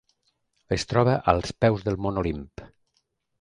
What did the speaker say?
Es troba als peus del mont Olimp.